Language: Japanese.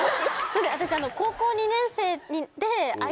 私。